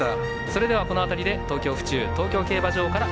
それではこの辺りで東京・府中東京競馬場から